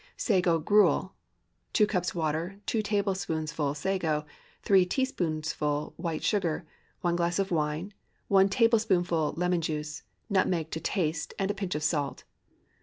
SAGO GRUEL. ✠ 2 cups water. 2 tablespoonfuls sago. 3 teaspoonfuls white sugar. 1 glass of wine. 1 tablespoonful lemon juice. Nutmeg to taste, and a pinch of salt.